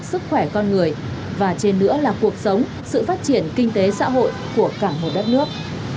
sức khỏe con người và trên nữa là cuộc sống sự phát triển kinh tế xã hội của cả một đất nước